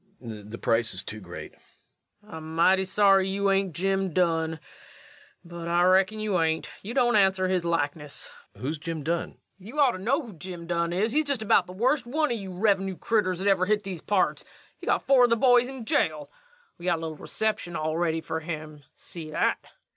_] The price is too great. LUKE. I'm mighty sorry you ain't Jim Dunn. But I reckon you ain't. You don't answer his likeness. REVENUE. Who's Jim Dunn? LUKE. You ought to know who Jim Dunn is. He's just about the worst one of your revenue critters that ever hit these parts. He's got four of the boys in jail. We got a little reception all ready for him. See that?